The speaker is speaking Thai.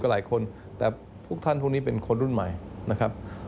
หลายคนแต่พวกท่านพวกนี้เป็นคนรุ่นใหม่นะครับ